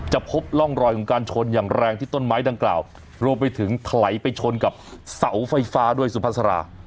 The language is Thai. พบร่องรอยของการชนอย่างแรงที่ต้นไม้ดังกล่าวรวมไปถึงถลายไปชนกับเสาไฟฟ้าด้วยสุภาษา